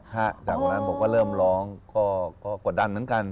จากวันนั้นผมก็เริ่มร้องก็กดดันเหมือนกัน